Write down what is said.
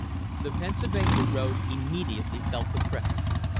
The Pennsylvania road ^immediately felt the pressure.